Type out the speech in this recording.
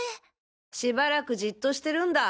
しばらくじっとしてるんだ。